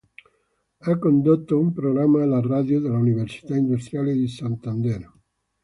Ha condotto un programma alla radio dell'Università industriale di Santander.